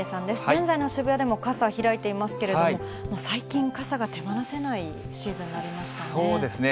現在の渋谷でも、傘開いていますけれども、最近、傘が手放せないシーズンになりましたよね。